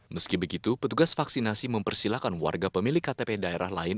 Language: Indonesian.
meski begitu petugas vaksinasi mempersilahkan warga pemilik ktp daerah lain